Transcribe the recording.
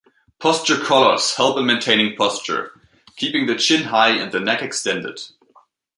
Posture collars help in maintaining posture, keeping the chin high and the neck extended.